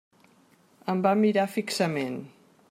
Em va mirar fixament.